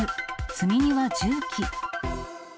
積み荷は重機。